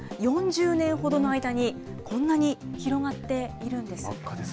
４０年ほどの間に、こんなに広が真っ赤ですね。